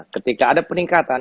ketika ada peningkatan